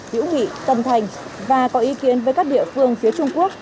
hữu nghị tân thành và có ý kiến với các địa phương phía trung quốc